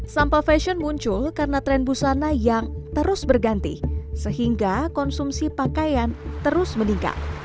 sampah fashion muncul karena tren busana yang terus berganti sehingga konsumsi pakaian terus meningkat